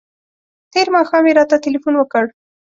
تېر ماښام یې راته تلیفون وکړ.